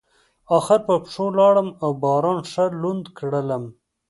اخر په پښو لاړم او باران ښه لوند کړلم.